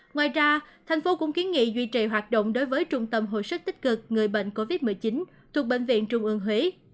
ngoài ra thành phố cũng kiến nghị duy trì hoạt động đối với trung tâm hồi sức tích cực người bệnh covid một mươi chín thuộc bệnh viện trung ương huế